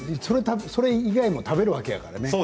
それ以外にも食べるわけやからね。